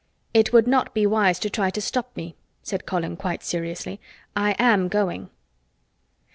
"It would not be wise to try to stop me," said Colin quite seriously. "I am going."